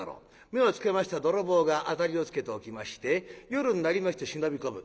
目をつけました泥棒が当たりをつけておきまして夜になりまして忍び込む。